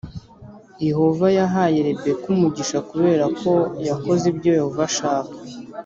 Yehova yahaye Rebeka umugisha kubera ko yakoze ibyo Yehova ashaka